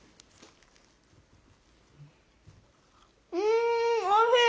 んおいしい！